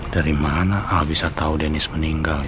dari mana al bisa tau denny meninggal ya